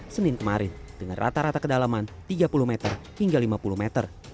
senin kemarin dengan rata rata kedalaman tiga puluh meter hingga lima puluh meter